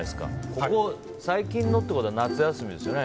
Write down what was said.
ここ最近のってことは夏休みですよね。